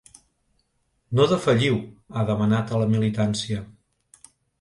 No defalliu, ha demanat a la militància.